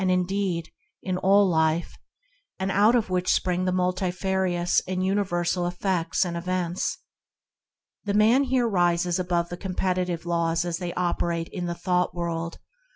indeed. m ail lire, out of which spring multi ranous arm universal e meets ano events. The .v^n mere rises aoove me competitive laws as thev operate in me thcuimt world.